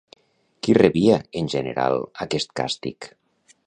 Qui rebia, en general, aquest càstig?